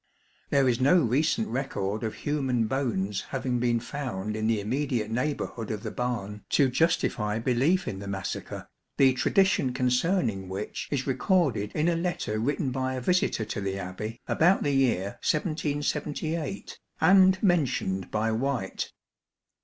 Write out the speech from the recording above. There is no recent record of human bones having been found in the immediate neighbour hood of the barn to justify belief in the massacre, the tradition concerning which is recorded in a letter written by a visitor to the Abbey about the year 1778, and mentioned by White.